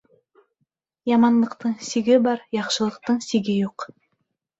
Яманлыҡтың сиге бар, яҡшылыҡтың сиге юҡ.